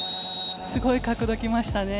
すごい角度きましたね。